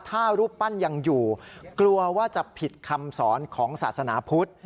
ถ้ารูปปั้นยังอยู่กลัวว่าจะผิดคำสอนของศาสนาพุทธ